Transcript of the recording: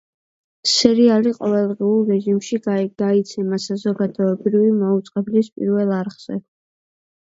სერიალი ყოველდღიური რეჟიმში გადაიცემა საზოგადოებრივი მაუწყებლის პირველ არხზე.